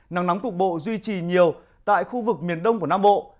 nắng nóng cục bộ duy trì nhiều tại khu vực miền đông của nam bộ